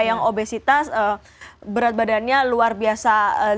yang obesitas berat badannya luar biasa